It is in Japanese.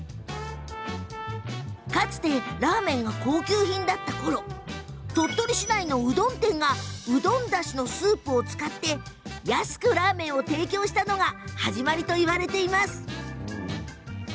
かつてラーメンが高級品だったころ鳥取市内のうどん店がうどんだしのスープを使って安くラーメンを提供したのが始まりといわれています。